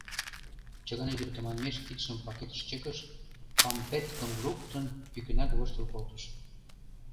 Чыган ӱдыр тыманмеш кидшым пакетыш чыкыш, кампеткым луктын, йӱкынак воштыл колтыш.